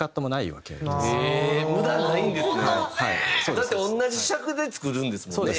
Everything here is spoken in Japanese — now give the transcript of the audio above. だって同じ尺で作るんですもんね